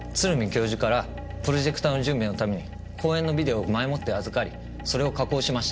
教授からプロジェクターの準備のために講演のビデオを前もって預かりそれを加工しました。